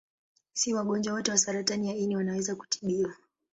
Si wagonjwa wote wa saratani ya ini wanaweza kutibiwa.